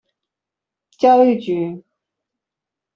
教育局